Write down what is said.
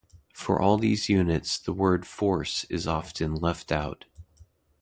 For all these units, the word "force" is often left out.